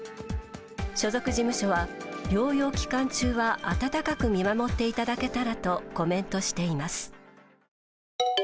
所属事務所は療養期間中は温かく見守っていただけたらとコメントしています。